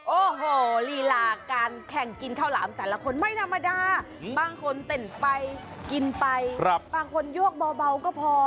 โอ้โหลีลาการแข่งกินข้าวหลามแต่ละคนไม่ธรรมดาบางคนเต้นไปกินไปบางคนยวกเบาก็พอ